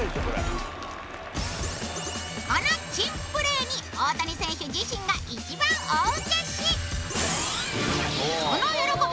この珍プレーに大谷選手自身が一番大ウケしその喜び